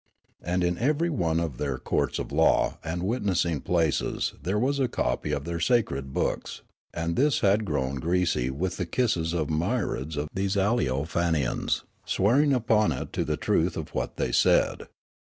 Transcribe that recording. And in every one of their courts of law and witness! ng pl aces there was a copy of their sacred books ; and this had grown greasy with the kisses of myriads of these Aleofanians, swearing upon it to the truth of what they said.